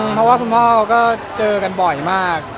เพราะว่าคุณพ่อก็เจอกันบ่อยมาก